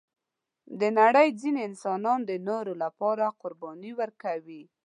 د نړۍ ځینې انسانان د نورو لپاره قرباني ورکوي.